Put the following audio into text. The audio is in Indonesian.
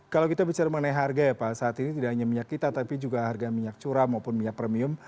kalau kita bicara mengenai harga ya pak saat ini tidak hanya minyak kita tapi juga harga minyak curah maupun minyak premium